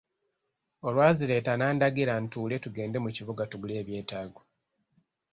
Olwazireeta n'andagira ntuule tugende mu kibuga tugule ebyetaago.